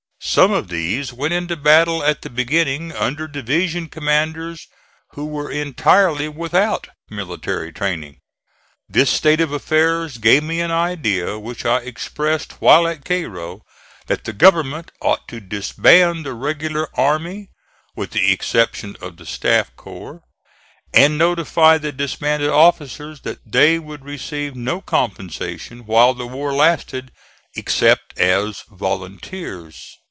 Some of these went into battle at the beginning under division commanders who were entirely without military training. This state of affairs gave me an idea which I expressed while at Cairo; that the government ought to disband the regular army, with the exception of the staff corps, and notify the disbanded officers that they would receive no compensation while the war lasted except as volunteers.